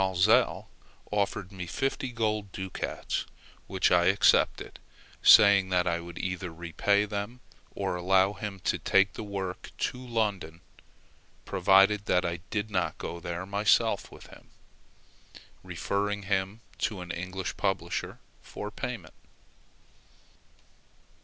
Maelzel offered me fifty gold ducats, which I accepted, saying that I would either repay them, or allow him to take the work to London, (provided I did not go there myself with him,) referring him to an English publisher for payment.